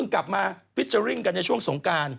กลับมาฟิเจอร์ริ่งกันในช่วงสงการ